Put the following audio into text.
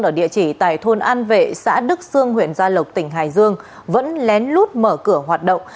ở địa chỉ tại thôn an vệ xã đức sương huyện gia lộc tỉnh hải dương vẫn lén lút mở cửa hoạt động